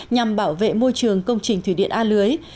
nhằm bảo vệ môi trường công trình thủy điện a lưới